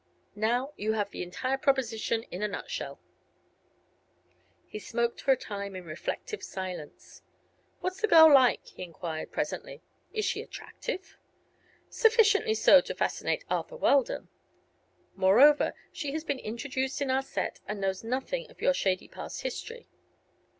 Now you have the entire proposition in a nutshell." He smoked for a time in reflective silence. "What's the girl like?" he enquired, presently. "Is she attractive?" "Sufficiently so to fascinate Arthur Weldon. Moreover, she has just been introduced in our set, and knows nothing of your shady past history.